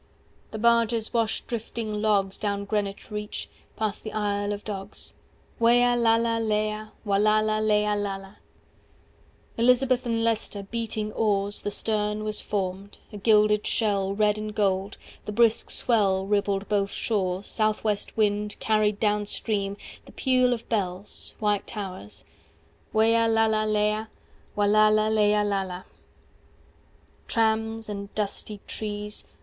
The barges wash Drifting logs Down Greenwich reach 275 Past the Isle of Dogs. Weialala leia Wallala leialala Elizabeth and Leicester Beating oars 280 The stern was formed A gilded shell Red and gold The brisk swell Rippled both shores 285 South west wind Carried down stream The peal of bells White towers Weialala leia 290 Wallala leialala "Trams and dusty trees.